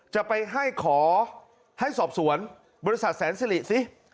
จะไปให้ขอให้สอบสวนบริษัทแสนสิริสิ